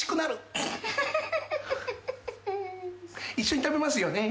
一緒に食べますよね？